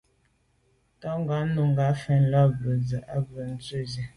Tɔ̌ ngɔ́ nùngà mfɛ̀n lá bə́ zə̄ à’ bə́ á dʉ̀’ nsí.